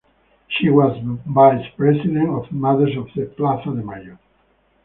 She was vice president of Mothers of the Plaza de Mayo.